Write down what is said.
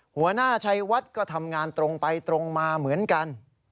หัวหน้าชัยวัดก็ทำงานตรงไปตรงมาเหมือนกัน